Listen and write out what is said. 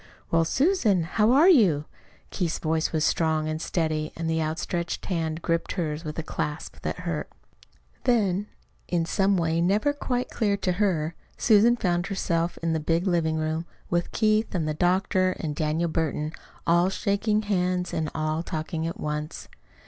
"Well, Susan, how are you?" Keith's voice was strong and steady, and the outstretched hand gripped hers with a clasp that hurt. Then, in some way never quite clear to her, Susan found herself in the big living room with Keith and the doctor and Daniel Burton, all shaking hands and all talking at once.